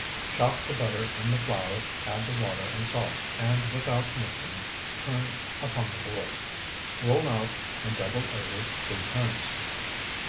Chop the butter in the flour, add the water and salt, and without mixing turn upon the board. Roll out and double over three times.